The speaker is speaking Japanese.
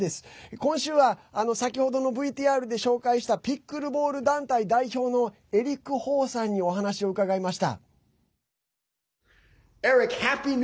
今週は先ほどのＶＴＲで紹介したピックルボール団体代表のエリック・ホーさんにお話を伺いました。